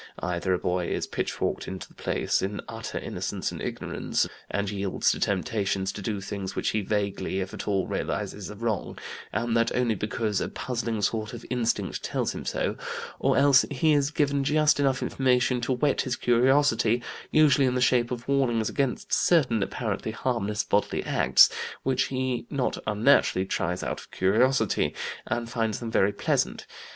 Either a boy is pitchforked into the place in utter innocence and ignorance, and yields to temptations to do things which he vaguely, if at all, realizes are wrong, and that only because a puzzling sort of instinct tells him so; or else he is given just enough information to whet his curiosity, usually in the shape of warnings against certain apparently harmless bodily acts, which he not unnaturally tries out of curiosity, and finds them very pleasant.